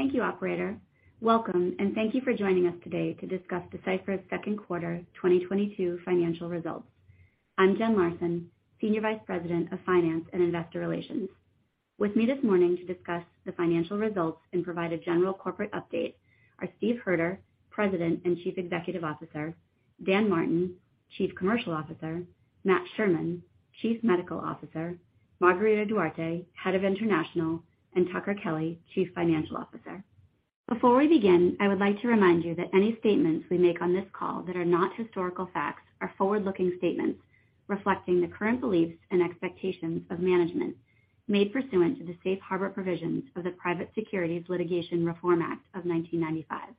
Thank you operator. Welcome and thank you for joining us today to discuss Deciphera's Q2 2022 financial results. I'm Jen Larson, Senior Vice President of Finance and Investor Relations. With me this morning to discuss the financial results and provide a general corporate update are Steve Hoerter, President and Chief Executive Officer, Dan Martin, Chief Commercial Officer, Matt Sherman, Chief Medical Officer, Margarida Duarte, Head of International, and Tucker Kelly, Chief Financial Officer. Before we begin, I would like to remind you that any statements we make on this call that are not historical facts are forward-looking statements reflecting the current beliefs and expectations of management made pursuant to the safe harbor provisions of the Private Securities Litigation Reform Act of 1995.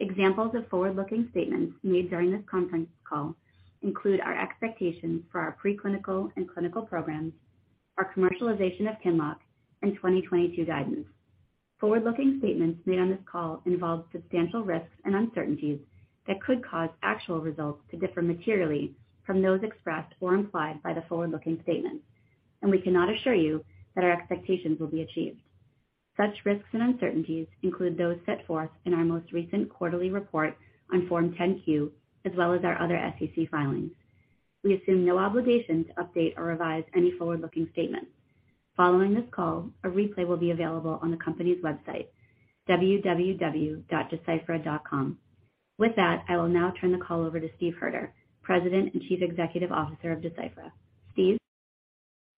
Examples of forward-looking statements made during this conference call include our expectations for our pre-clinical and clinical programs, our commercialization of QINLOCK and 2022 guidance. Forward-looking statements made on this call involve substantial risks and uncertainties that could cause actual results to differ materially from those expressed or implied by the forward-looking statements, and we cannot assure you that our expectations will be achieved. Such risks and uncertainties include those set forth in our most recent quarterly report on Form 10-Q as well as our other SEC filings. We assume no obligation to update or revise any forward-looking statements. Following this call, a replay will be available on the company's website, www.deciphera.com. With that, I will now turn the call over to Steve Hoerter, President and Chief Executive Officer of Deciphera. Steve?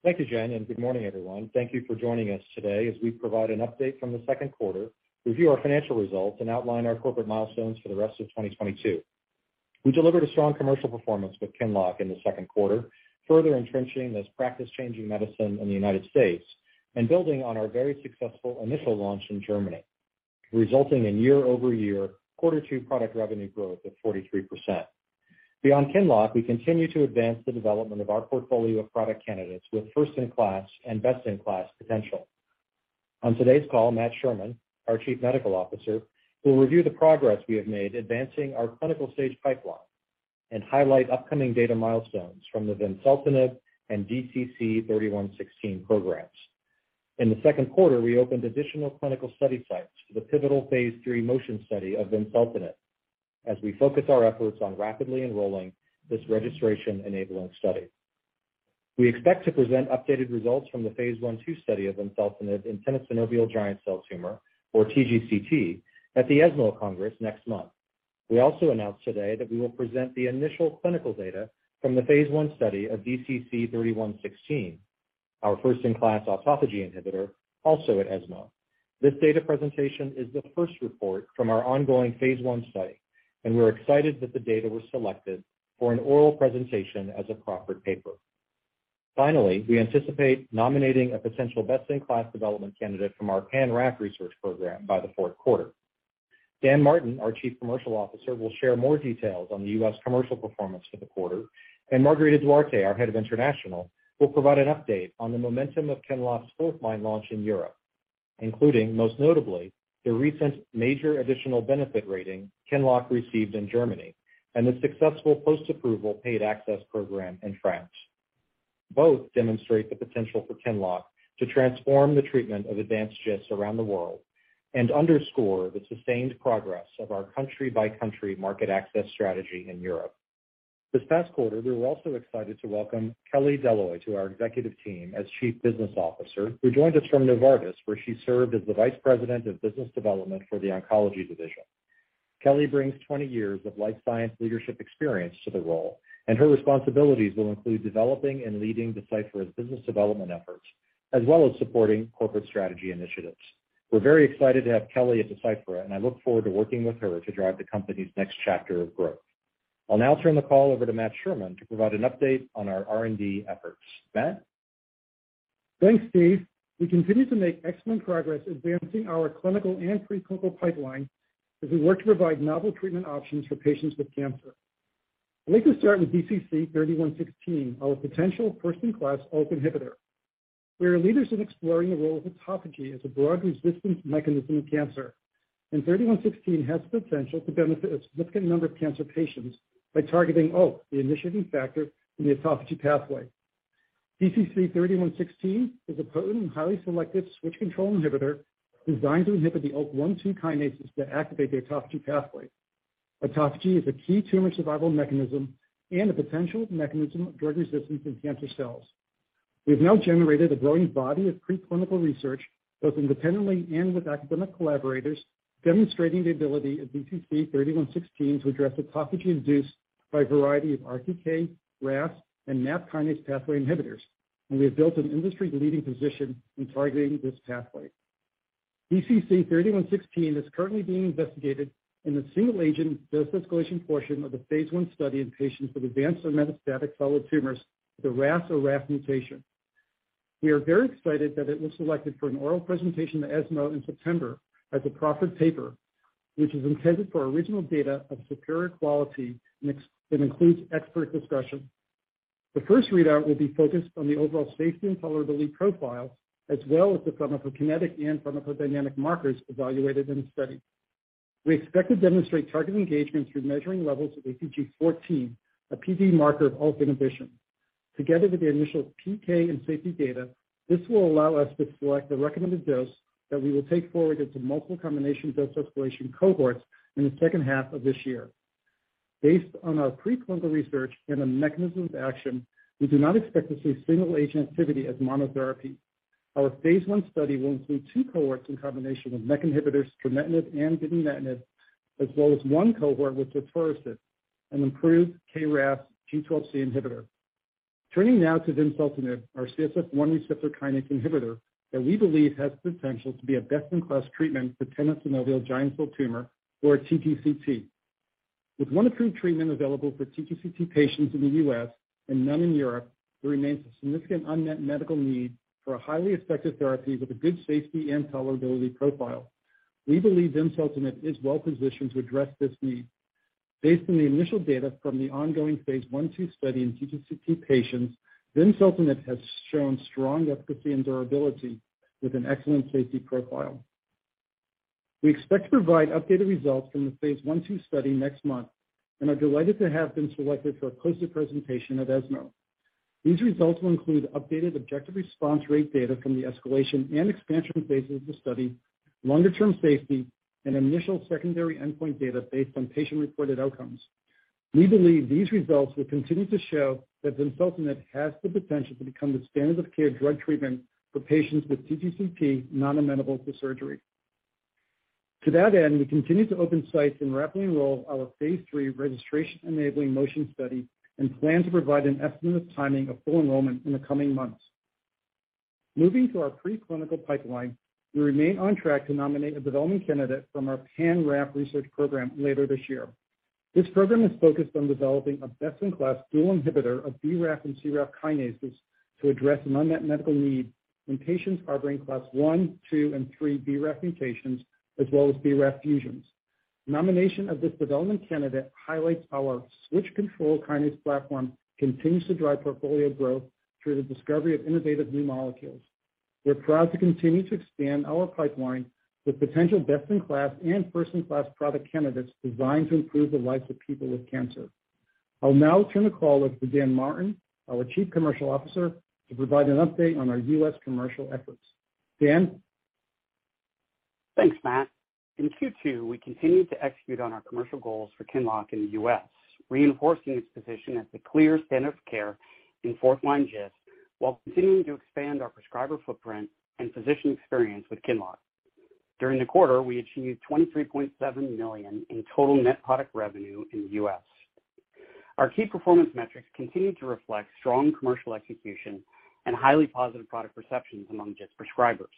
Thank you, Jen, and good morning everyone. Thank you for joining us today as we provide an update from the Q2, review our financial results, and outline our corporate milestones for the rest of 2022. We delivered a strong commercial performance with QINLOCK in the Q2, further entrenching this practice-changing medicine in the United States and building on our very successful initial launch in Germany, resulting in year-over-year quarter two product revenue growth of 43%. Beyond QINLOCK, we continue to advance the development of our portfolio of product candidates with first-in-class and best-in-class potential. On today's call, Matt Sherman, our Chief Medical Officer, will review the progress we have made advancing our clinical stage pipeline and highlight upcoming data milestones from the vimseltinib and DCC-3116 programs. In the Q2, we opened additional clinical study sites for the pivotal phase III MOTION study of vimseltinib as we focus our efforts on rapidly enrolling this registration enabling study. We expect to present updated results from the phase I/II study of vimseltinib in tenosynovial giant cell tumor or TGCT at the ESMO Congress next month. We also announced today that we will present the initial clinical data from the phase I study of DCC-3116, our first in class autophagy inhibitor also at ESMO. This data presentation is the first report from our ongoing phase I study, and we're excited that the data was selected for an oral presentation as a proffered paper. Finally, we anticipate nominating a potential best in class development candidate from our pan-RAF research program by the Q4. Dan Martin, our Chief Commercial Officer, will share more details on the U.S. commercial performance for the quarter, and Margarida Duarte, our Head of International, will provide an update on the momentum of QINLOCK's fourth-line launch in Europe, including most notably the recent major additional benefit rating QINLOCK received in Germany and the successful post-approval paid access program in France. Both demonstrate the potential for QINLOCK to transform the treatment of advanced GIST around the world and underscore the sustained progress of our country-by-country market access strategy in Europe. This past quarter, we were also excited to welcome Kelly DeLoy to our executive team as Chief Business Officer, who joined us from Novartis, where she served as the Vice President of Business Development for the oncology division. Kelly brings 20 years of life science leadership experience to the role, and her responsibilities will include developing and leading Deciphera's business development efforts, as well as supporting corporate strategy initiatives. We're very excited to have Kelly at Deciphera, and I look forward to working with her to drive the company's next chapter of growth. I'll now turn the call over to Matt Sherman to provide an update on our R&D efforts. Matt? Thanks, Steve. We continue to make excellent progress advancing our clinical and pre-clinical pipeline as we work to provide novel treatment options for patients with cancer. I'd like to start with DCC-3116, our potential first-in-class ULK inhibitor. We are leaders in exploring the role of autophagy as a broad resistance mechanism in cancer, and 3116 has the potential to benefit a significant number of cancer patients by targeting ULK, the initiating factor in the autophagy pathway. DCC-3116 is a potent and highly selective switch-control inhibitor designed to inhibit the ULK1/2 kinases that activate the autophagy pathway. Autophagy is a key tumor survival mechanism and a potential mechanism of drug resistance in cancer cells. We've now generated a growing body of pre-clinical research, both independently and with academic collaborators, demonstrating the ability of DCC-3116 to address autophagy induced by a variety of RTK, RAS, and MAP kinase pathway inhibitors, and we have built an industry-leading position in targeting this pathway. DCC-3116 is currently being investigated in the single agent dose escalation portion of the phase I study in patients with advanced or metastatic solid tumors with a RAS or RAF mutation. We are very excited that it was selected for an oral presentation at ESMO in September as a proffered paper, which is intended for original data of superior quality and that includes expert discussion. The first readout will be focused on the overall safety and tolerability profile as well as the pharmacokinetic and pharmacodynamic markers evaluated in the study. We expect to demonstrate target engagement through measuring levels of ATG14, a PD marker of ULK inhibition. Together with the initial PK and safety data, this will allow us to select the recommended dose that we will take forward into multiple combination dose escalation cohorts in the second half of this year. Based on our preclinical research and the mechanism of action, we do not expect to see single agent activity as monotherapy. Our phase I study will include 2 cohorts in combination of MEK inhibitors, trametinib and binimetinib, as well as 1 cohort with sotorasib, an improved KRASG12C inhibitor. Turning now to vimseltinib, our CSF1 receptor kinase inhibitor that we believe has the potential to be a best-in-class treatment for tenosynovial giant cell tumor, or TGCT. With one approved treatment available for TGCT patients in the U.S. and none in Europe, there remains a significant unmet medical need for a highly effective therapy with a good safety and tolerability profile. We believe vimseltinib is well positioned to address this need. Based on the initial data from the ongoing phase I/II study in TGCT patients, vimseltinib has shown strong efficacy and durability with an excellent safety profile. We expect to provide updated results from the phase I/II study next month and are delighted to have been selected for a poster presentation at ESMO. These results will include updated objective response rate data from the escalation and expansion phases of the study, longer-term safety, and initial secondary endpoint data based on patient-reported outcomes. We believe these results will continue to show that vimseltinib has the potential to become the standard of care drug treatment for patients with TGCT non-amenable to surgery. To that end, we continue to open sites and rapidly enroll our phase III registration-enabling MOTION study and plan to provide an estimate of timing of full enrollment in the coming months. Moving to our preclinical pipeline, we remain on track to nominate a development candidate from our pan-RAF research program later this year. This program is focused on developing a best-in-class dual inhibitor of BRAF and CRAF kinases to address an unmet medical need in patients harboring class one, two, and three BRAF mutations, as well as BRAF fusions. Nomination of this development candidate highlights our switch-control kinase platform continues to drive portfolio growth through the discovery of innovative new molecules. We're proud to continue to expand our pipeline with potential best-in-class and first-in-class product candidates designed to improve the lives of people with cancer. I'll now turn the call over to Dan Martin, our Chief Commercial Officer, to provide an update on our U.S. commercial efforts. Dan? Thanks, Matt. In Q2, we continued to execute on our commercial goals for QINLOCK in the U.S., reinforcing its position as the clear standard of care in fourth-line GIST while continuing to expand our prescriber footprint and physician experience with QINLOCK. During the quarter, we achieved $23.7 million in total net product revenue in the U.S. Our key performance metrics continued to reflect strong commercial execution and highly positive product perceptions among GIST prescribers.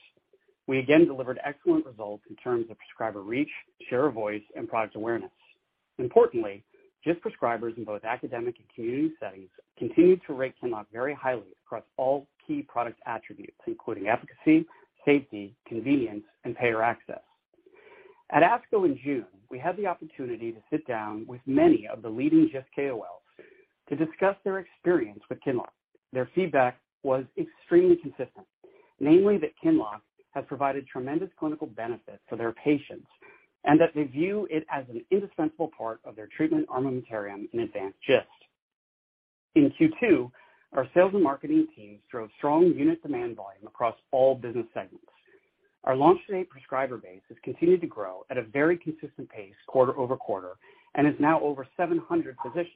We again delivered excellent results in terms of prescriber reach, share of voice, and product awareness. Importantly, GIST prescribers in both academic and community settings continued to rate QINLOCK very highly across all key product attributes, including efficacy, safety, convenience, and payer access. At ASCO in June, we had the opportunity to sit down with many of the leading GIST KOLs to discuss their experience with QINLOCK. Their feedback was extremely consistent, namely that QINLOCK has provided tremendous clinical benefits for their patients, and that they view it as an indispensable part of their treatment armamentarium in advanced GIST. In Q2, our sales and marketing teams drove strong unit demand volume across all business segments. Our launch day prescriber base has continued to grow at a very consistent pace quarter-over-quarter and is now over 700 physicians,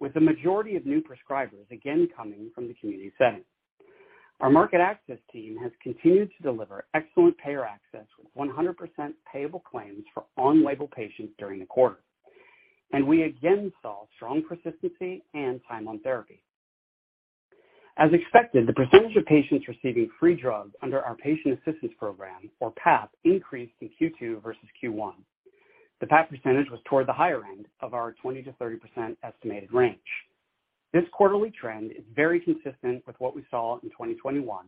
with the majority of new prescribers again coming from the community setting. Our market access team has continued to deliver excellent payer access with 100% payable claims for on-label patients during the quarter. We again saw strong persistency and time on therapy. As expected, the percentage of patients receiving free drugs under our patient assistance program, or PAP, increased in Q2 versus Q1. The PAP percentage was toward the higher end of our 20%-30% estimated range. This quarterly trend is very consistent with what we saw in 2021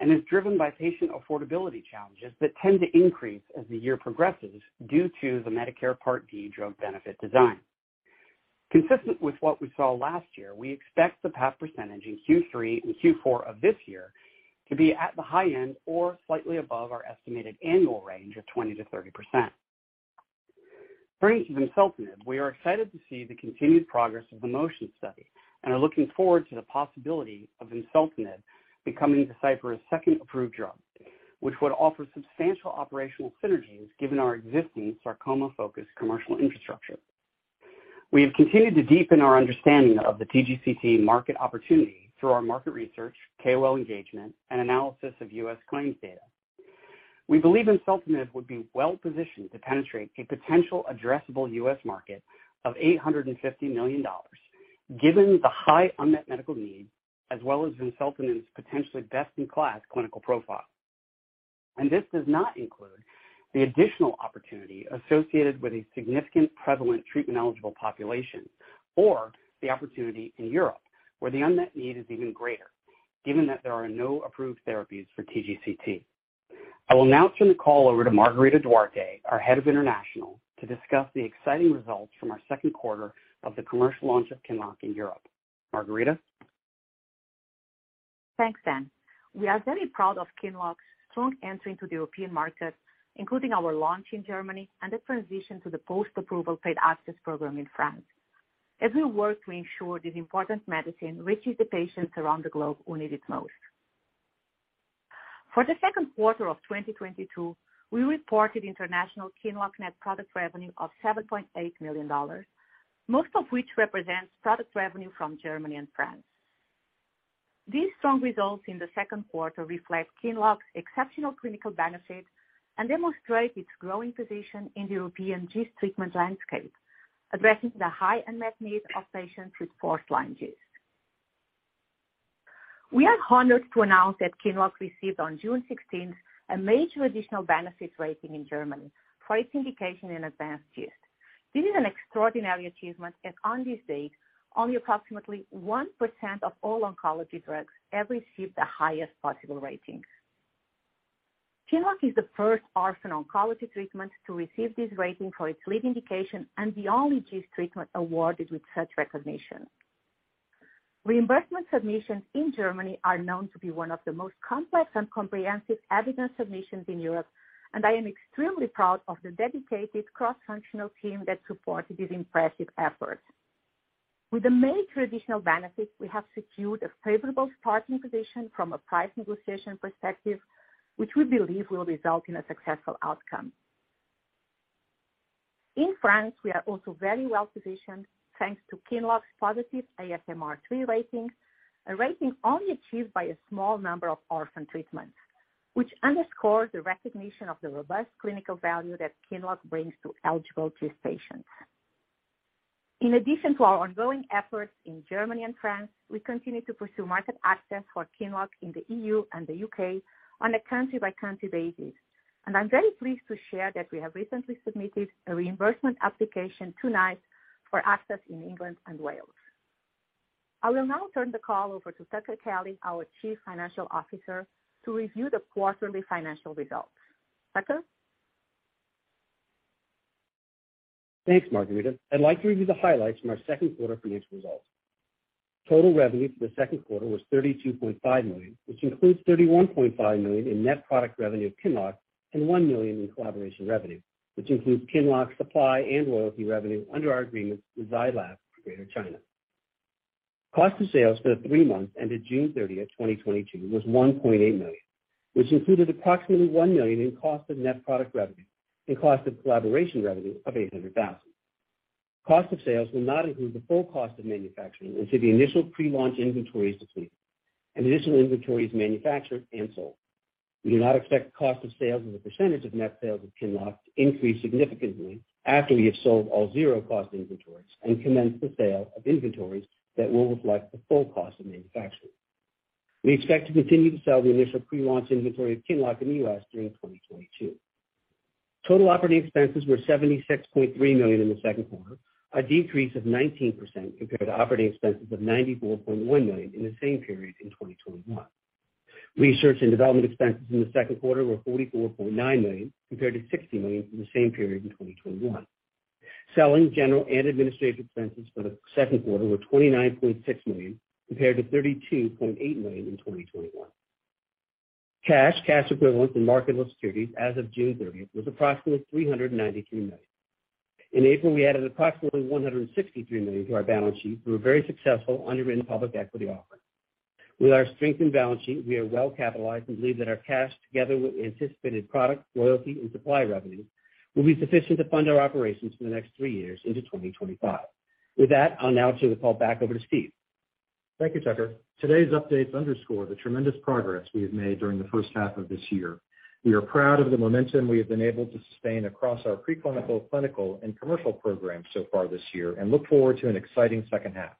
and is driven by patient affordability challenges that tend to increase as the year progresses due to the Medicare Part D drug benefit design. Consistent with what we saw last year, we expect the PAP percentage in Q3 and Q4 of this year to be at the high end or slightly above our estimated annual range of 20%-30%. Turning to vimseltinib, we are excited to see the continued progress of the MOTION study and are looking forward to the possibility of vimseltinib becoming Deciphera's second approved drug, which would offer substantial operational synergies given our existing sarcoma-focused commercial infrastructure. We have continued to deepen our understanding of the TGCT market opportunity through our market research, KOL engagement, and analysis of U.S. claims data. We believe vimseltinib would be well-positioned to penetrate a potential addressable U.S. market of $850 million, given the high unmet medical need as well as vimseltinib's potentially best-in-class clinical profile. This does not include the additional opportunity associated with a significant prevalent treatment-eligible population or the opportunity in Europe, where the unmet need is even greater, given that there are no approved therapies for TGCT. I will now turn the call over to Margarida Duarte, our head of international, to discuss the exciting results from our Q2 of the commercial launch of QINLOCK in Europe. Margarida? Thanks, Dan. We are very proud of QINLOCK's strong entry into the European market, including our launch in Germany and the transition to the post-approval trade access program in France. As we work to ensure this important medicine reaches the patients around the globe who need it most. For the Q2 of 2022, we reported international QINLOCK net product revenue of $7.8 million, most of which represents product revenue from Germany and France. These strong results in the Q2 reflect QINLOCK's exceptional clinical benefit and demonstrate its growing position in the European GIST treatment landscape, addressing the high unmet need of patients with fourth-line GIST. We are honored to announce that QINLOCK received on June 16, a major additional benefit rating in Germany for its indication in advanced GIST. This is an extraordinary achievement as on this date, only approximately 1% of all oncology drugs have received the highest possible ratings. QINLOCK is the first orphan oncology treatment to receive this rating for its lead indication and the only GIST treatment awarded with such recognition. Reimbursement submissions in Germany are known to be one of the most complex and comprehensive evidence submissions in Europe, and I am extremely proud of the dedicated cross-functional team that supported this impressive effort. With the many traditional benefits, we have secured a favorable starting position from a price negotiation perspective, which we believe will result in a successful outcome. In France, we are also very well-positioned, thanks to QINLOCK's positive ASMR 3 ratings, a rating only achieved by a small number of orphan treatments, which underscores the recognition of the robust clinical value that QINLOCK brings to eligible GIST patients. In addition to our ongoing efforts in Germany and France, we continue to pursue market access for QINLOCK in the E.U. and the U.K. on a country-by-country basis. I'm very pleased to share that we have recently submitted a reimbursement application to NICE for access in England and Wales. I will now turn the call over to Tucker Kelly, our Chief Financial Officer, to review the quarterly financial results. Tucker? Thanks, Margarita. I'd like to review the highlights from our Q2 financial results. Total revenue for the Q2 was $32.5 million, which includes $31.5 million in net product revenue of QINLOCK and $1 million in collaboration revenue, which includes QINLOCK supply and loyalty revenue under our agreements with Zai Lab for Greater China. Cost of sales for the three months ended June 30th, 2022 was $1.8 million, which included approximately $1 million in cost of net product revenue and cost of collaboration revenue of $800,000. Cost of sales will not include the full cost of manufacturing until the initial pre-launch inventory is depleted and additional inventory is manufactured and sold. We do not expect cost of sales as a percentage of net sales of QINLOCK to increase significantly after we have sold all zero cost inventories and commenced the sale of inventories that will reflect the full cost of manufacturing. We expect to continue to sell the initial pre-launch inventory of QINLOCK in the US during 2022. Total operating expenses were $76.3 million in the Q2, a decrease of 19% compared to operating expenses of $94.1 million in the same period in 2021. Research and development expenses in the Q2 were $44.9 million, compared to $60 million from the same period in 2021. Selling, general and administrative expenses for the Q2 were $29.6 million, compared to $32.8 million in 2021. Cash, cash equivalents and marketable securities as of June 30 was approximately $393 million. In April, we added approximately $163 million to our balance sheet through a very successful underwritten public equity offering. With our strengthened balance sheet, we are well capitalized and believe that our cash together with anticipated product royalty and supply revenue will be sufficient to fund our operations for the next three years into 2025. With that, I'll now turn the call back over to Steve. Thank you, Tucker. Today's updates underscore the tremendous progress we have made during the first half of this year. We are proud of the momentum we have been able to sustain across our pre-clinical, clinical and commercial programs so far this year and look forward to an exciting second half.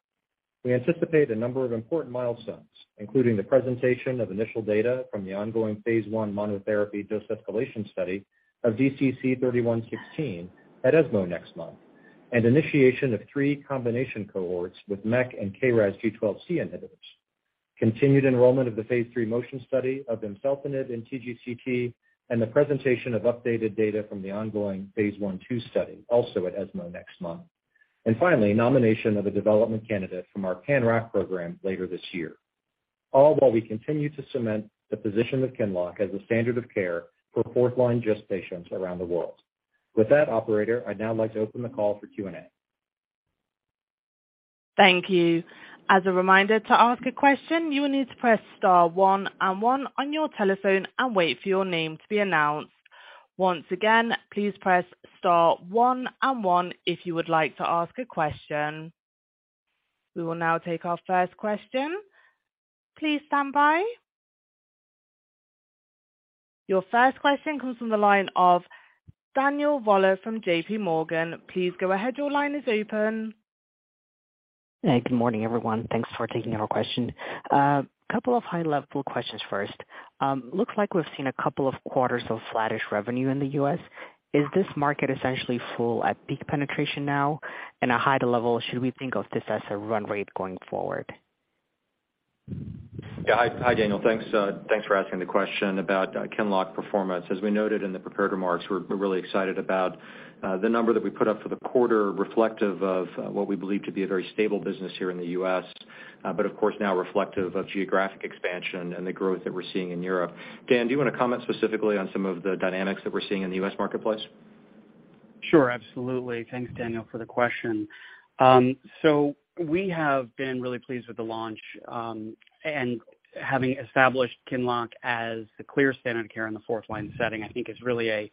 We anticipate a number of important milestones, including the presentation of initial data from the ongoing phase I monotherapy dose escalation study of DCC-3116 at ESMO next month, and initiation of 3 combination cohorts with MEK and KRAS G12C inhibitors. Continued enrollment of the phase III MOTION study of vimseltinib in TGCT and the presentation of updated data from the ongoing phase I/II study also at ESMO next month. Finally, nomination of a development candidate from our pan-RAF program later this year. All while we continue to cement the position of QINLOCK as a standard of care for fourth-line GIST patients around the world. With that, operator, I'd now like to open the call for Q&A. *Thank you. As a reminder to ask a question, you will need to press star one and one on your telephone and wait for your name to be announced. Once again, please press star one and one if you would like to ask a question. We will now take our first question. Please stand by. Your first question comes from the line of Daniel Villalobos from JPMorgan. Please go ahead. Your line is open. Hey, good morning, everyone. Thanks for taking our question. Couple of high-level questions first. Looks like we've seen a couple of quarters of flattish revenue in the U.S. Is this market essentially full at peak penetration now? In a high level, should we think of this as a run rate going forward? Hi, Daniel. Thanks for asking the question about QINLOCK performance. As we noted in the prepared remarks, we're really excited about the number that we put up for the quarter, reflective of what we believe to be a very stable business here in the U.S., but of course, now reflective of geographic expansion and the growth that we're seeing in Europe. Dan, do you wanna comment specifically on some of the dynamics that we're seeing in the U.S. marketplace? Sure. Absolutely. Thanks, Daniel, for the question. We have been really pleased with the launch, and having established QINLOCK as the clear standard of care in the fourth line setting, I think is really a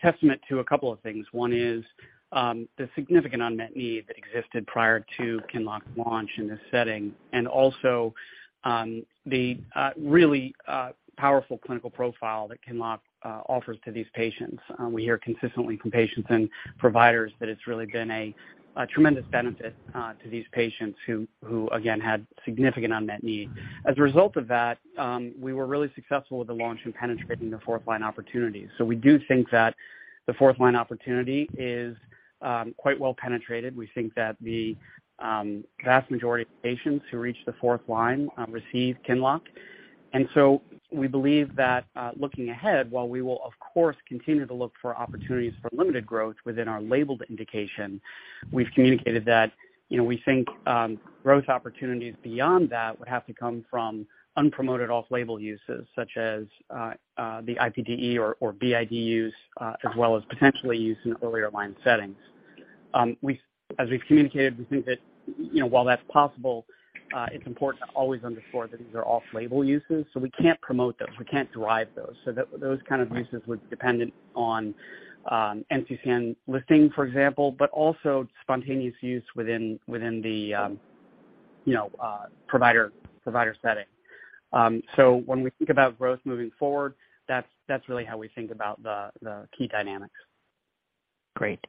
testament to a couple of things. One is the significant unmet need that existed prior to QINLOCK launch in this setting, and also the really powerful clinical profile that QINLOCK offers to these patients. We hear consistently from patients and providers that it's really been a tremendous benefit to these patients who again had significant unmet need. As a result of that, we were really successful with the launch in penetrating the fourth line opportunity. We do think that the fourth line opportunity is quite well penetrated. We think that the vast majority of patients who reach the fourth line receive QINLOCK. We believe that looking ahead, while we will, of course, continue to look for opportunities for limited growth within our labeled indication, we've communicated that, you know, we think growth opportunities beyond that would have to come from unpromoted off-label uses such as the INTRIGUE or BID use as well as potentially used in earlier line settings. As we've communicated, we think that, you know, while that's possible, it's important to always underscore that these are off-label uses, so we can't promote those. We can't drive those. Those kind of uses would be dependent on NCCN listing, for example, but also spontaneous use within the provider setting. When we think about growth moving forward, that's really how we think about the key dynamics. Great.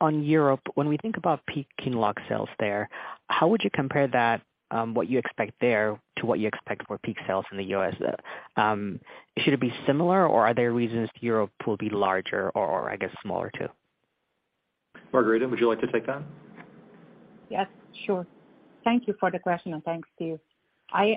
On Europe, when we think about peak QINLOCK sales there, how would you compare that, what you expect there to what you expect for peak sales in the U.S.? Should it be similar, or are there reasons Europe will be larger or I guess smaller too? Margarida, would you like to take that? Yes, sure. Thank you for the question, and thanks to you.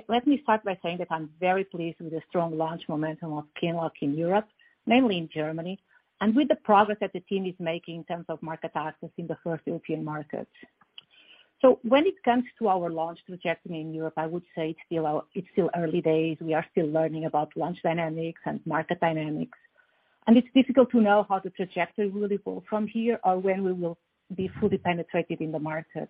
Let me start by saying that I'm very pleased with the strong launch momentum of QINLOCK in Europe, mainly in Germany, and with the progress that the team is making in terms of market access in the first European market. When it comes to our launch trajectory in Europe, I would say it's still early days. We are still learning about launch dynamics and market dynamics, and it's difficult to know how the trajectory will evolve from here or when we will be fully penetrated in the market.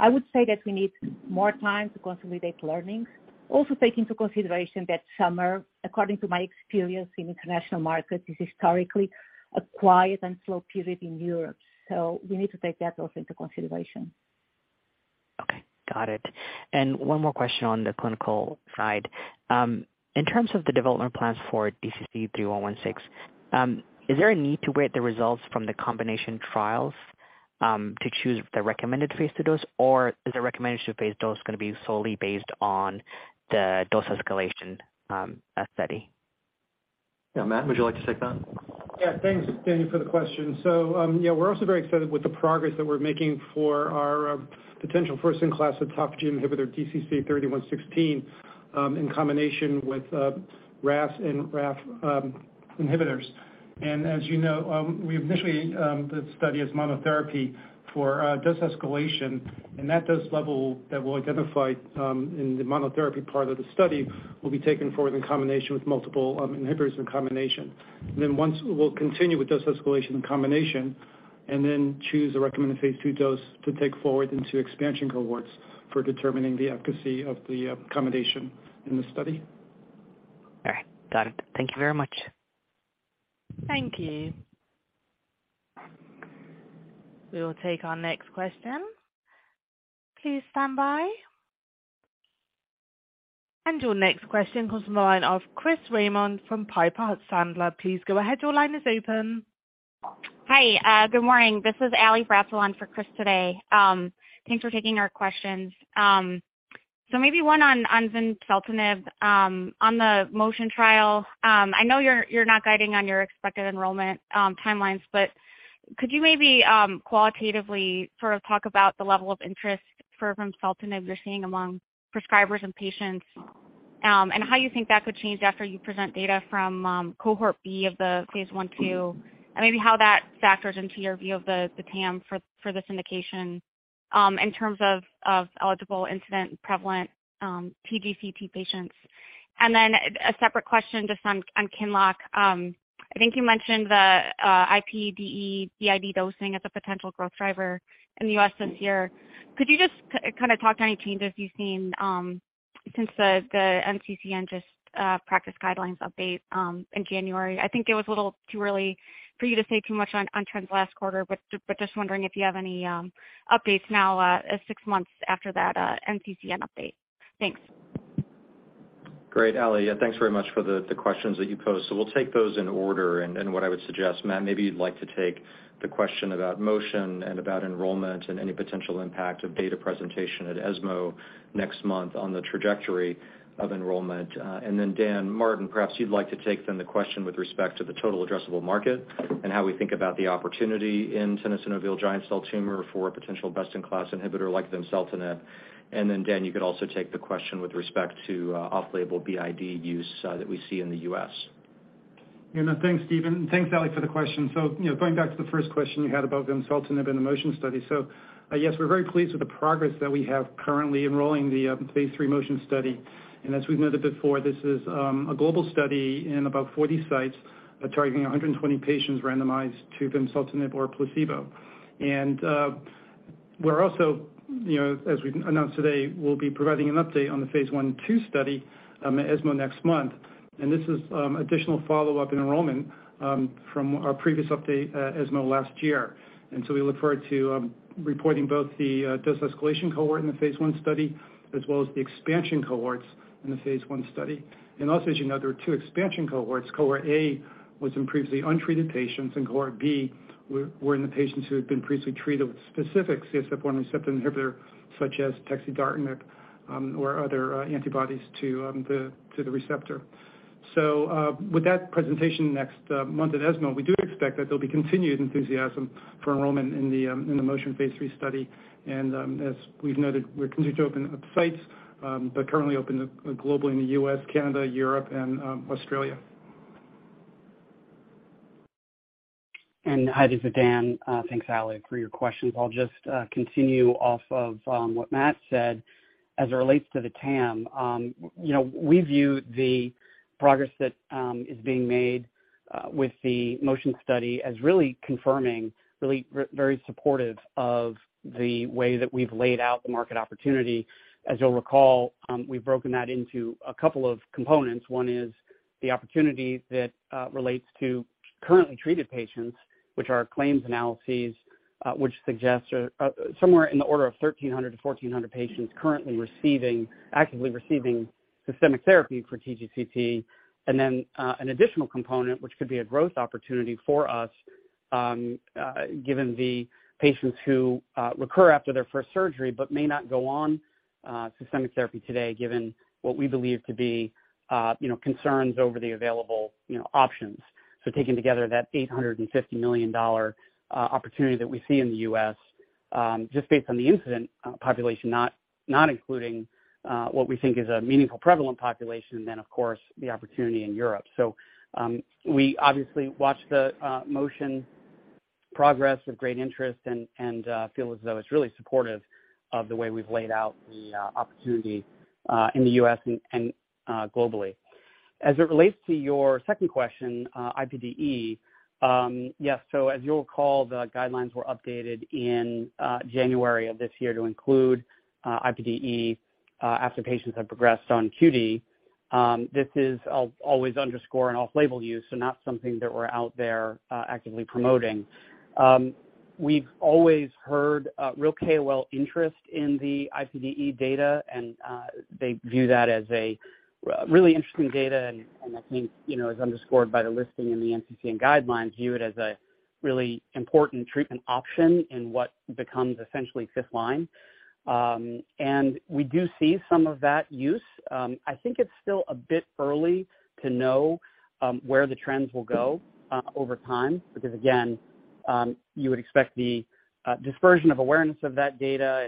I would say that we need more time to consolidate learnings. Also take into consideration that summer, according to my experience in international markets, is historically a quiet and slow period in Europe. We need to take that also into consideration. Okay. Got it. One more question on the clinical side. In terms of the development plans for DCC-3116, is there a need to wait the results from the combination trials to choose the recommended phase II dose, or is the recommended phase II dose gonna be solely based on the dose escalation study? Yeah. Matt, would you like to take that? Yeah. Thanks, Daniel, for the question. Yeah, we're also very excited with the progress that we're making for our potential first-in-class autophagy inhibitor, DCC-3116, in combination with RAS and RAF inhibitors. As you know, we initiated the study as monotherapy for dose escalation, and that dose level that we'll identify in the monotherapy part of the study will be taken forward in combination with multiple inhibitors in combination. Once we'll continue with dose escalation in combination, and then choose a recommended phase II dose to take forward into expansion cohorts for determining the efficacy of the combination in the study. All right. Got it. Thank you very much. Thank you. We will take our next question. Please stand by. Your next question comes from the line of Chris Raymond from Piper Sandler. Please go ahead. Your line is open. Hi. Good morning. This is Allison Bratzel in for Chris today. Thanks for taking our questions. Maybe one on vimseltinib. On the MOTION trial, I know you're not guiding on your expected enrollment timelines, but could you maybe qualitatively sort of talk about the level of interest for vimseltinib you're seeing among prescribers and patients, and how you think that could change after you present data from cohort B of the phase I/II, and maybe how that factors into your view of the TAM for this indication, in terms of eligible incident and prevalent TGCT patients? A separate question just on QINLOCK. I think you mentioned the QD BID dosing as a potential growth driver in the US this year. Could you just kind of talk to any changes you've seen since the NCCN just practice guidelines update in January? I think it was a little too early for you to say too much on trends last quarter, but just wondering if you have any updates now, six months after that NCCN update. Thanks. Great, Ally. Yeah, thanks very much for the questions that you posed. We'll take those in order. What I would suggest, Matt, maybe you'd like to take the question about MOTION and about enrollment and any potential impact of data presentation at ESMO next month on the trajectory of enrollment. Dan Martin, perhaps you'd like to take the question with respect to the total addressable market and how we think about the opportunity in tenosynovial giant cell tumor for a potential best-in-class inhibitor like vimseltinib. Dan, you could also take the question with respect to off-label BID use that we see in the U.S. You know, thanks, Steve. Thanks, Ally, for the question. You know, going back to the first question you had about vimseltinib in the MOTION study. Yes, we're very pleased with the progress that we have currently enrolling the phase III MOTION study. As we've noted before, this is a global study in about 40 sites targeting 120 patients randomized to vimseltinib or placebo. You know, as we announced today, we'll be providing an update on the phase I/II study at ESMO next month. This is additional follow-up in enrollment from our previous update at ESMO last year. We look forward to reporting both the dose escalation cohort in the phase I study, as well as the expansion cohorts in the phase I study. As you know, there are two expansion cohorts. Cohort A was in previously untreated patients, and cohort B were in the patients who had been previously treated with specific CSF1 receptor inhibitor, such as pexidartinib, or other antibodies to the receptor. With that presentation next month at ESMO, we do expect that there'll be continued enthusiasm for enrollment in the MOTION phase III study. As we've noted, we're continuing to open up sites, but currently open globally in the US, Canada, Europe, and Australia. Hi, this is Dan. Thanks, Ally, for your questions. I'll just continue off of what Matt said as it relates to the TAM. You know, we view the progress that is being made with the MOTION Study as really confirming, really very supportive of the way that we've laid out the market opportunity. As you'll recall, we've broken that into a couple of components. One is the opportunity that relates to currently treated patients, which are our claims analyses, which suggests somewhere in the order of 1,300-1,400 patients actively receiving systemic therapy for TGCT. An additional component, which could be a growth opportunity for us, given the patients who recur after their first surgery but may not go on systemic therapy today, given what we believe to be, you know, concerns over the available, you know, options. Taking together that $850 million opportunity that we see in the US, just based on the incident population, not including what we think is a meaningful prevalent population, and then, of course, the opportunity in Europe. We obviously watch the MOTION progress with great interest and feel as though it's really supportive of the way we've laid out the opportunity in the US and globally. As it relates to your second question, IPDE, yes. As you'll recall, the guidelines were updated in January of this year to include ripretinib after patients have progressed on QD. This is always underscored as an off-label use, so not something that we're out there actively promoting. We've always heard a real KOL interest in the ripretinib data, and they view that as a really interesting data. I think, you know, as underscored by the listing in the NCCN guidelines, view it as a really important treatment option in what becomes essentially fifth line. We do see some of that use. I think it's still a bit early to know where the trends will go over time because again you would expect the dispersion of awareness of that data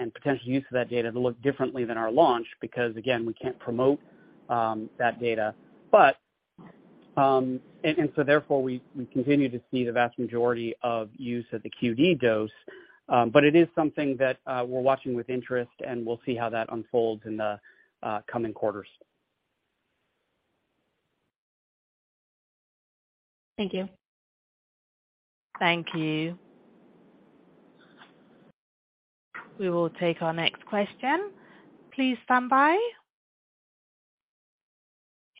and potential use of that data to look differently than our launch because again we can't promote that data. Therefore, we continue to see the vast majority of use of the QD dose. It is something that we're watching with interest, and we'll see how that unfolds in the coming quarters. Thank you. Thank you. We will take our next question. Please stand by.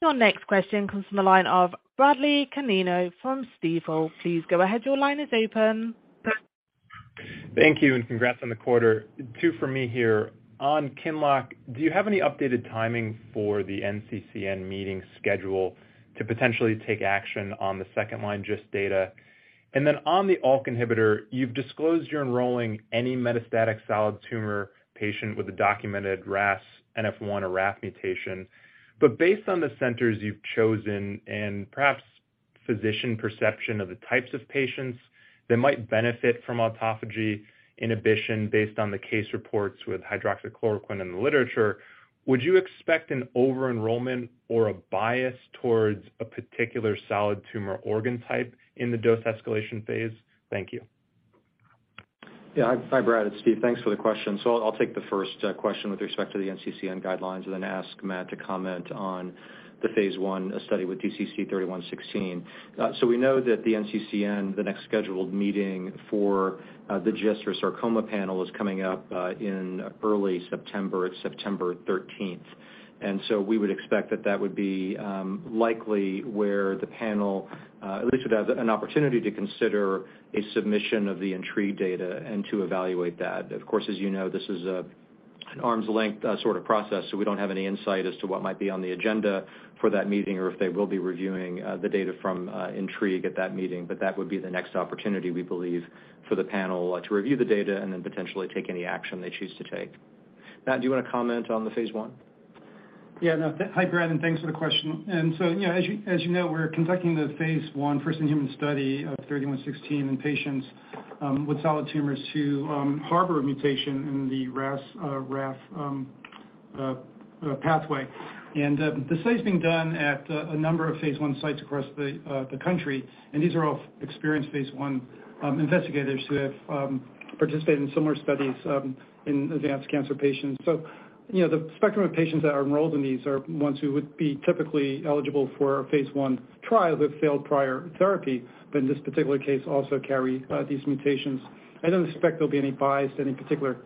Your next question comes from the line of Bradley Canino from Stifel. Please go ahead. Your line is open. Thank you, and congrats on the quarter. Two for me here. On QINLOCK, do you have any updated timing for the NCCN meeting schedule to potentially take action on the second-line GIST data? On the ULK inhibitor, you've disclosed you're enrolling any metastatic solid tumor patient with a documented RAS, NF1, or RAF mutation. Based on the centers you've chosen and perhaps physician perception of the types of patients that might benefit from autophagy inhibition based on the case reports with hydroxychloroquine in the literature, would you expect an over-enrollment or a bias towards a particular solid tumor organ type in the dose escalation phase? Thank you. Hi, Brad. It's Steve. Thanks for the question. I'll take the first question with respect to the NCCN guidelines and then ask Matt to comment on the phase I study with DCC-3116. We know that the NCCN, the next scheduled meeting for the GIST or sarcoma panel is coming up in early September. It's September 13. We would expect that that would be likely where the panel at least would have an opportunity to consider a submission of the INTRIGUE data and to evaluate that. Of course, as you know, this is an arm's length sort of process, so we don't have any insight as to what might be on the agenda for that meeting or if they will be reviewing the data from INTRIGUE at that meeting. That would be the next opportunity, we believe, for the panel to review the data and then potentially take any action they choose to take. Matt, do you wanna comment on the phase I? Yeah, no. Hi, Brad, and thanks for the question. You know, as you know, we're conducting the phase I first-in-human study of DCC-3116 in patients with solid tumors who harbor a mutation in the RAS, RAF. Pathway. The study's being done at a number of phase I sites across the country, and these are all experienced phase I investigators who have participated in similar studies in advanced cancer patients. You know, the spectrum of patients that are enrolled in these are ones who would be typically eligible for a phase I trial who have failed prior therapy, but in this particular case, also carry these mutations. I don't expect there'll be any bias to any particular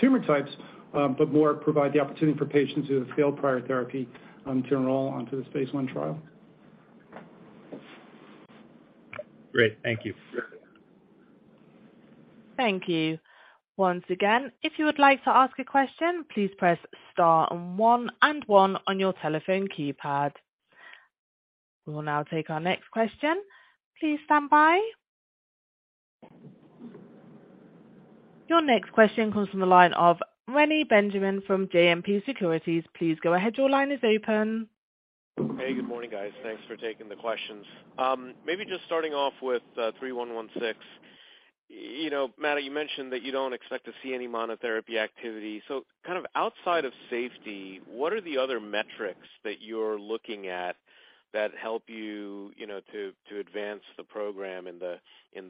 tumor types, but more provide the opportunity for patients who have failed prior therapy to enroll onto this phase I trial. Great. Thank you. Thank you. Once again, if you would like to ask a question, please press star and one and one on your telephone keypad. We will now take our next question. Please stand by. Your next question comes from the line of Reni Benjamin from JMP Securities. Please go ahead. Your line is open. Hey, good morning, guys. Thanks for taking the questions. Maybe just starting off with 3116. You know, Matt, you mentioned that you don't expect to see any monotherapy activity. So kind of outside of safety, what are the other metrics that you're looking at that help you know, to advance the program in the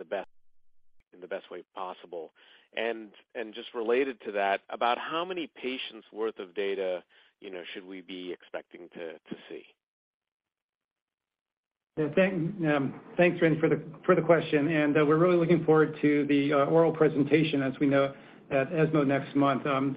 best way possible? Just related to that, about how many patients' worth of data, you know, should we be expecting to see? Yeah, thanks Rennie for the question. We're really looking forward to the oral presentation as we know at ESMO next month. The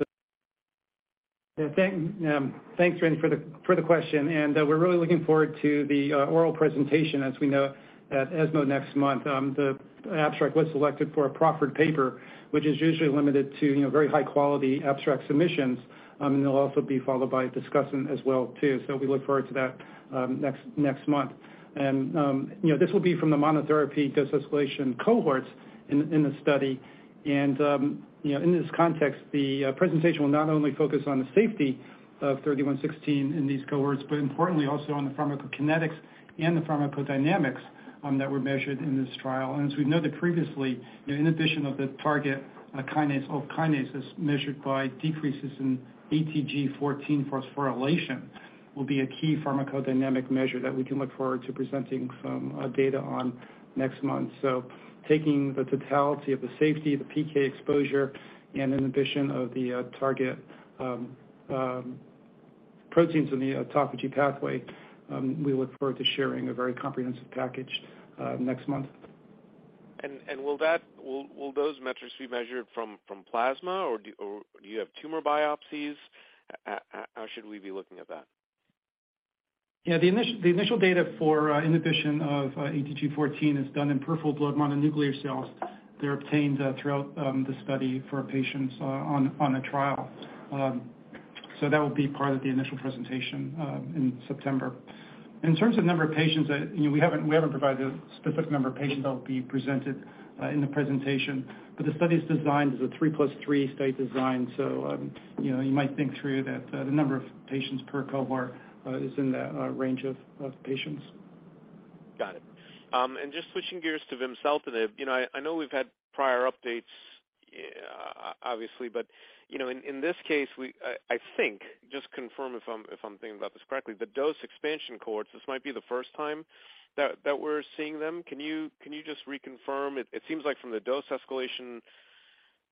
abstract was selected for a proffered paper, which is usually limited to, you know, very high-quality abstract submissions, and it'll also be followed by a discussion as well too. We look forward to that next month. You know, this will be from the monotherapy dose escalation cohorts in the study. You know, in this context, the presentation will not only focus on the safety of 3116 in these cohorts, but importantly also on the pharmacokinetics and the pharmacodynamics that were measured in this trial. As we noted previously, you know, inhibition of the target kinase, of kinases measured by decreases in ATG14 phosphorylation will be a key pharmacodynamic measure that we can look forward to presenting some data on next month. Taking the totality of the safety, the PK exposure, and inhibition of the target proteins in the autophagy pathway, we look forward to sharing a very comprehensive package next month. Will those metrics be measured from plasma or do you have tumor biopsies? How should we be looking at that? The initial data for inhibition of ATG14 is done in peripheral blood mononuclear cells that are obtained throughout the study for patients on a trial. That will be part of the initial presentation in September. In terms of number of patients, you know, we haven't provided a specific number of patients that will be presented in the presentation, but the study's designed as a 3 + 3 study design. You know, you might think through that, the number of patients per cohort is in that range of patients. Got it. Just switching gears to vimseltinib, you know, I know we've had prior updates, obviously, but, you know, in this case, I think, just confirm if I'm thinking about this correctly, the dose expansion cohorts, this might be the first time that we're seeing them. Can you just reconfirm? It seems like from the dose escalation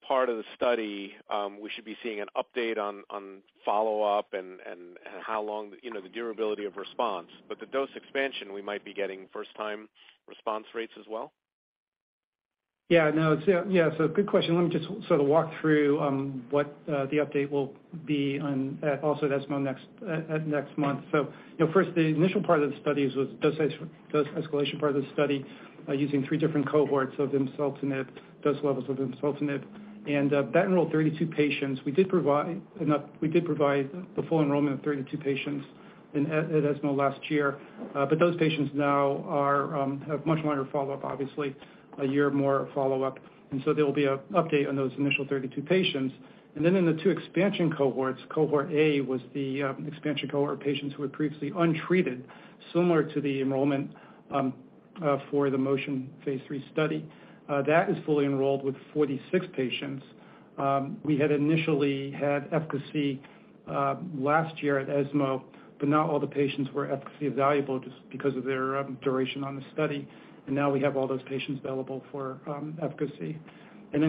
part of the study, we should be seeing an update on follow-up and how long, you know, the durability of response. The dose expansion, we might be getting first-time response rates as well. Yeah. No, it's. Yeah. Good question. Let me just sort of walk through what the update will be on, also at ESMO next month. You know, first, the initial part of the studies was dose escalation part of the study, using three different cohorts of vimseltinib, dose levels of vimseltinib, and that enrolled 32 patients. We did provide the full enrollment of 32 patients at ESMO last year, but those patients now have much longer follow-up, obviously a year more of follow-up. There will be an update on those initial 32 patients. Then in the phase II expansion cohorts, cohort A was the expansion cohort of patients who were previously untreated, similar to the enrollment for the MOTION phase III study. That is fully enrolled with 46 patients. We had initially had efficacy last year at ESMO, but not all the patients were efficacy evaluable just because of their duration on the study. Now we have all those patients available for efficacy.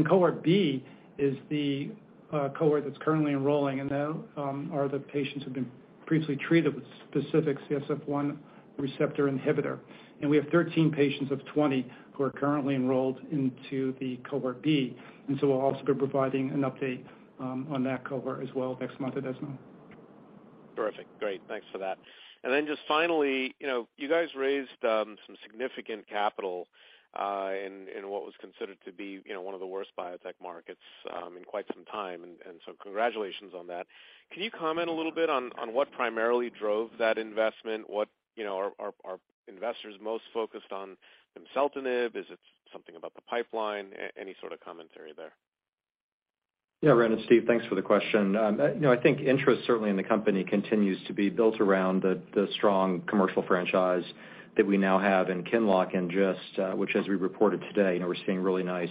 Cohort B is the cohort that's currently enrolling, and they are the patients who've been previously treated with specific CSF1 receptor inhibitor. We have 13 patients of 20 who are currently enrolled into the cohort B. We'll also be providing an update on that cohort as well next month at ESMO. Terrific. Great. Thanks for that. Just finally, you know, you guys raised some significant capital in what was considered to be, you know, one of the worst biotech markets in quite some time, and so congratulations on that. Can you comment a little bit on what primarily drove that investment? What, you know, are investors most focused on vimseltinib? Is it something about the pipeline? Any sort of commentary there. Yeah, Reni and Steve, thanks for the question. You know, I think interest certainly in the company continues to be built around the strong commercial franchise that we now have in QINLOCK and just which as we reported today, you know, we're seeing really nice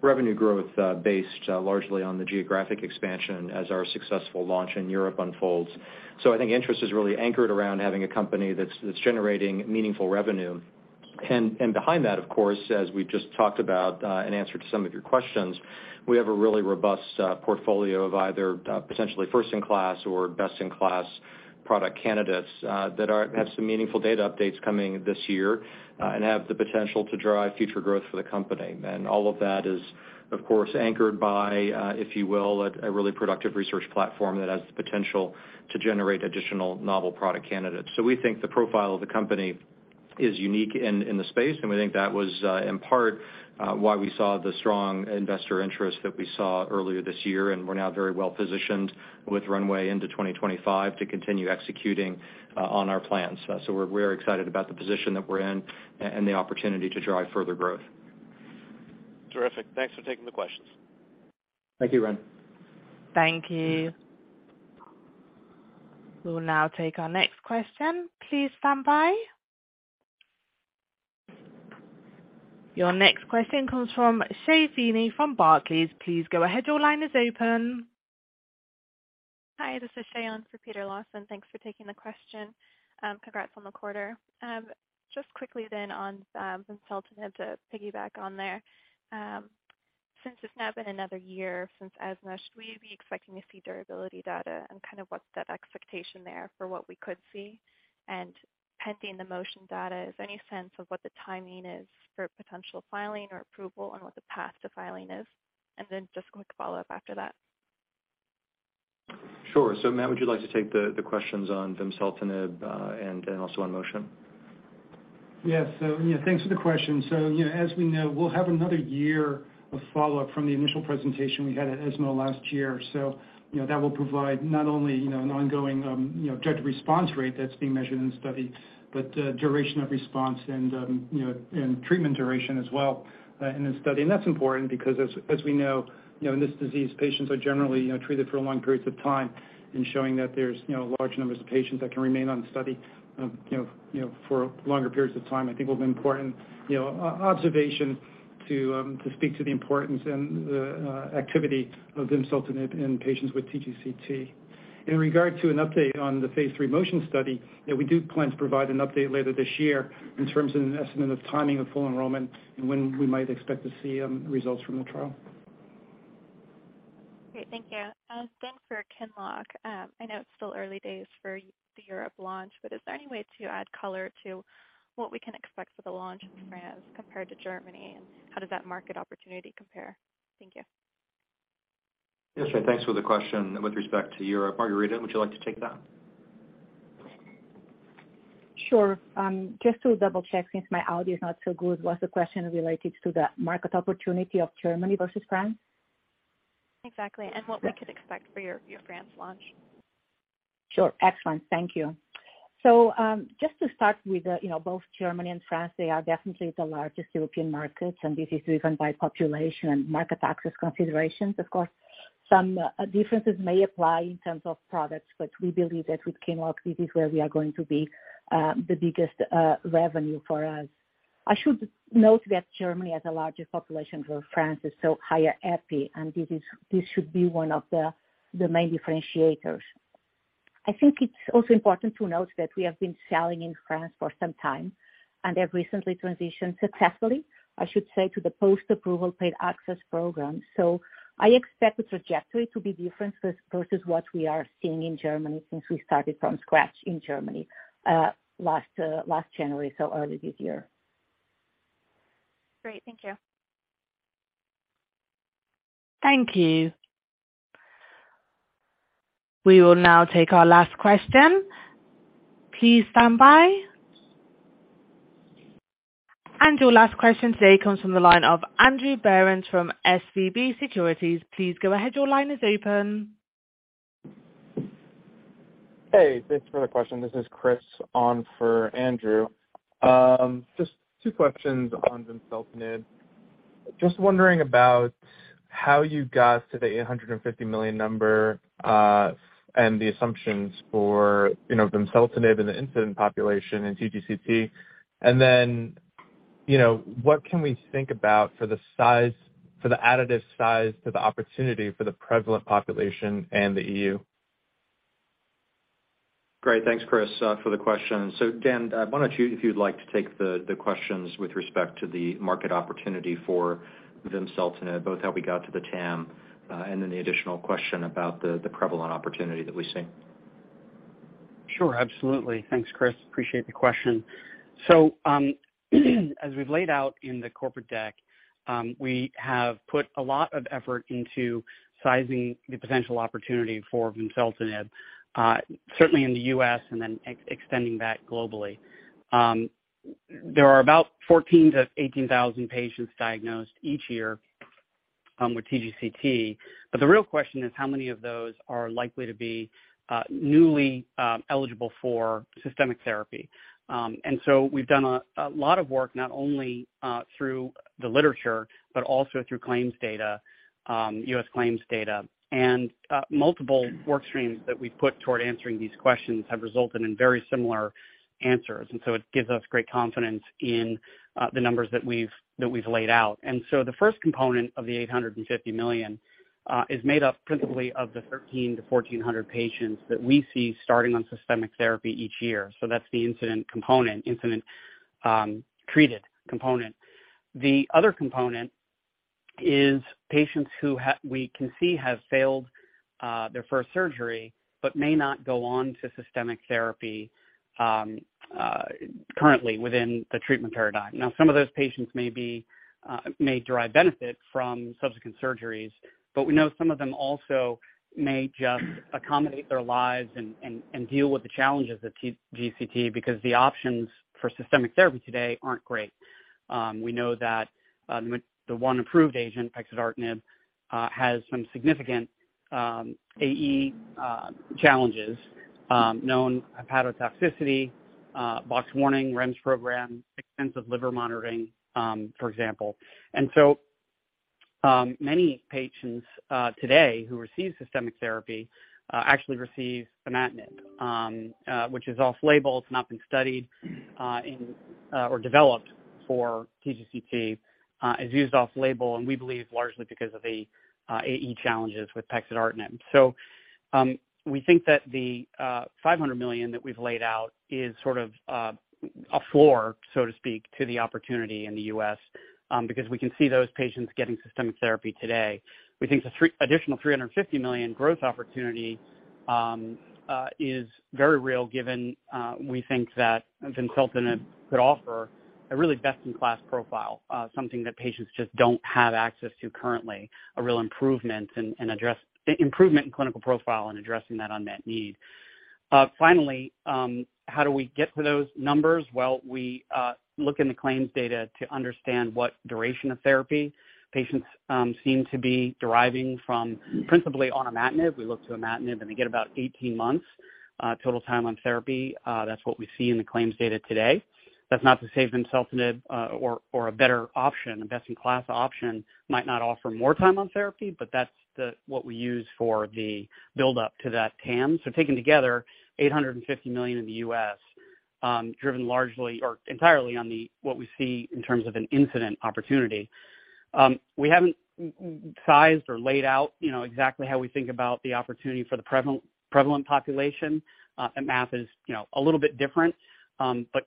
revenue growth based largely on the geographic expansion as our successful launch in Europe unfolds. I think interest is really anchored around having a company that's generating meaningful revenue. Behind that, of course, as we just talked about in answer to some of your questions, we have a really robust portfolio of either potentially first in class or best in class product candidates that have some meaningful data updates coming this year and have the potential to drive future growth for the company. All of that is, of course, anchored by, if you will, a really productive research platform that has the potential to generate additional novel product candidates. We think the profile of the company is unique in the space, and we think that was in part why we saw the strong investor interest that we saw earlier this year. We're now very well-positioned with runway into 2025 to continue executing on our plans. We're excited about the position that we're in and the opportunity to drive further growth. Terrific. Thanks for taking the questions. Thank you, Reni. Thank you. We will now take our next question. Please stand by. Your next question comes from Shea Feeney from Barclays. Please go ahead. Your line is open. Hi, this is Shea Feeney on for Peter Lawson. Thanks for taking the question. Congrats on the quarter. Just quickly then on vimseltinib to piggyback on there. Since it's now been another year since ESMO, should we be expecting to see durability data? Kind of what's that expectation there for what we could see? Pending the MOTION data, is there any sense of what the timing is for potential filing or approval, and what the path to filing is? Then just a quick follow-up after that. Sure. Matt, would you like to take the questions on vimseltinib and also on MOTION? Yes. Yeah, thanks for the question. Yeah, as we know, we'll have another year of follow-up from the initial presentation we had at ESMO last year. You know, that will provide not only you know, an ongoing overall response rate that's being measured in the study, but duration of response and treatment duration as well in this study. That's important because as we know, you know, in this disease, patients are generally you know, treated for long periods of time. Showing that there's you know, large numbers of patients that can remain on study you know, for longer periods of time, I think will be important, you know, observation to speak to the importance and the activity of vimseltinib in patients with TGCT. In regard to an update on the phase III MOTION study, yeah, we do plan to provide an update later this year in terms of an estimate of timing of full enrollment and when we might expect to see results from the trial. Great. Thank you. For QINLOCK, I know it's still early days for the European launch, but is there any way to add color to what we can expect for the launch in France compared to Germany, and how does that market opportunity compare? Thank you. Yes, Shea. Thanks for the question. With respect to Europe, Margarida, would you like to take that? Sure. Just to double-check since my audio is not so good, was the question related to the market opportunity of Germany versus France? Exactly. What we could expect for your France launch? Sure. Excellent. Thank you. Just to start with, you know, both Germany and France, they are definitely the largest European markets, and this is driven by population and market access considerations, of course. Some differences may apply in terms of products, but we believe that with QINLOCK, this is where we are going to be the biggest revenue for us. I should note that Germany has a larger population where France is so higher EP, and this should be one of the main differentiators. I think it's also important to note that we have been selling in France for some time and have recently transitioned successfully, I should say, to the post-approval paid access program. I expect the trajectory to be different versus what we are seeing in Germany since we started from scratch in Germany last January, so early this year. Great. Thank you. Thank you. We will now take our last question. Please stand by. Your last question today comes from the line of Andrew Berens from SVB Securities. Please go ahead. Your line is open. Hey, thanks for the question. This is Chris on for Andrew. Just two questions on vimseltinib. Just wondering about how you got to the $850 million number and the assumptions for, you know, vimseltinib and the incidence population in TGCT. You know, what can we think about for the additive size to the opportunity for the prevalent population and the E.U.? Great. Thanks, Chris, for the question. Dan, why don't you, if you'd like to take the questions with respect to the market opportunity for vimseltinib, both how we got to the TAM, and then the additional question about the prevalent opportunity that we see. Sure, absolutely. Thanks, Chris. Appreciate the question. As we've laid out in the corporate deck, we have put a lot of effort into sizing the potential opportunity for vimseltinib, certainly in the U.S. and then extending that globally. There are about 14-18 thousand patients diagnosed each year with TGCT. The real question is how many of those are likely to be newly eligible for systemic therapy? We've done a lot of work not only through the literature but also through claims data, U.S. claims data, and multiple work streams that we've put toward answering these questions have resulted in very similar answers. It gives us great confidence in the numbers that we've laid out. The first component of the $850 million is made up principally of the 1,300-1,400 patients that we see starting on systemic therapy each year. That's the incidence component, incidence treated component. The other component is patients who we can see have failed their first surgery but may not go on to systemic therapy currently within the treatment paradigm. Some of those patients may derive benefit from subsequent surgeries, but we know some of them also may just accommodate their lives and deal with the challenges of TGCT because the options for systemic therapy today aren't great. We know that the one approved agent, pexidartinib, has some significant AE challenges, known hepatotoxicity, box warning, REMS program, extensive liver monitoring, for example. Many patients today who receive systemic therapy actually receive imatinib, which is off-label. It's not been studied in or developed for TGCT. It is used off-label, and we believe largely because of the AE challenges with pexidartinib. We think that the $500 million that we've laid out is sort of a floor, so to speak, to the opportunity in the U.S., because we can see those patients getting systemic therapy today. We think the additional $350 million growth opportunity is very real given we think that vimseltinib could offer a really best-in-class profile, something that patients just don't have access to currently, a real improvement in clinical profile in addressing that unmet need. Finally, how do we get to those numbers? Well, we look in the claims data to understand what duration of therapy patients seem to be deriving from principally on imatinib. We look to imatinib, and they get about 18 months total time on therapy. That's what we see in the claims data today. That's not to say vimseltinib or a better option, a best-in-class option, might not offer more time on therapy, but that's what we use for the buildup to that TAM. Taken together, $850 million in the U.S., driven largely or entirely on what we see in terms of an incident opportunity. We haven't sized or laid out, you know, exactly how we think about the opportunity for the prevalent population. The math is, you know, a little bit different.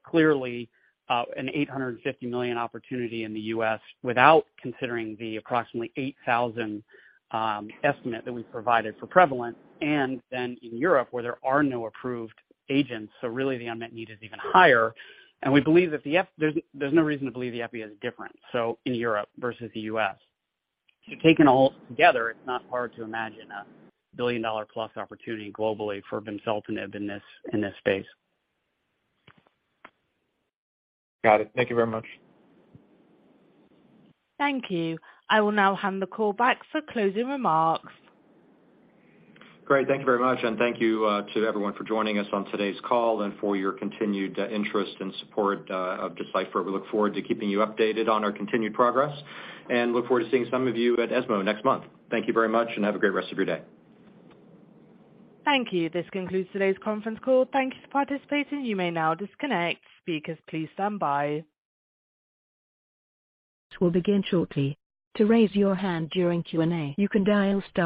Clearly, an $850 million opportunity in the U.S. without considering the approximately 8,000 estimate that we provided for prevalent. Then in Europe where there are no approved agents, so really the unmet need is even higher. We believe that there's no reason to believe the epi is different, so in Europe versus the U.S. Taken all together, it's not hard to imagine a $1 billion-plus opportunity globally for vimseltinib in this space. Got it. Thank you very much. Thank you. I will now hand the call back for closing remarks. Great. Thank you very much, and thank you to everyone for joining us on today's call and for your continued interest and support of Deciphera. We look forward to keeping you updated on our continued progress and look forward to seeing some of you at ESMO next month. Thank you very much, and have a great rest of your day. Thank you. This concludes today's conference call. Thank you for participating. You may now disconnect. Speakers, please stand by. Will begin shortly. To raise your hand during Q&A, you can dial star.